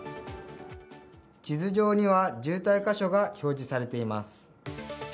地図上には渋滞箇所が表示されています。